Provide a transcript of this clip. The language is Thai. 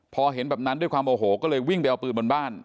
พอเห็นแบบนั้นด้วยความโอโหก็เลยวิ่งไปเอาปืนบนบ้าน